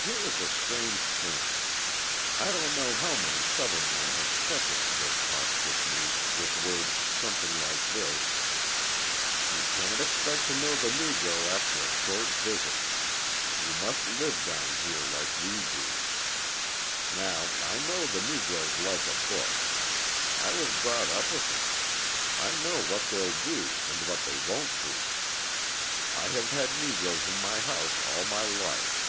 Here is a strange thing. I don't know how many Southern men have prefaced their talks with me with words something like this: "You can't expect to know the Negro after a short visit. You must live down here like we do. Now, I know the Negroes like a book. I was brought up with them. I know what they'll do and what they won't do. I have had Negroes in my house all my life."